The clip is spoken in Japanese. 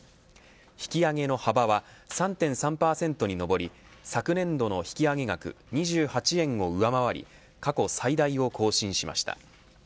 引き上げの幅は３．３％に上り昨年度の引き上げ額２８円を上回り過去最大を更新しました。